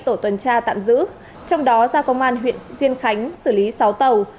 tổ tuần tra tạm giữ trong đó giao công an huyện diên khánh xử lý sáu tàu